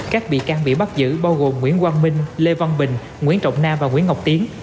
các bị can bị bắt giữ bao gồm nguyễn quang minh lê văn bình nguyễn trọng nam và nguyễn ngọc tiến